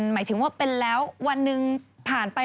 หมายถึงว่าเป็นแล้ววันหนึ่งผ่านไป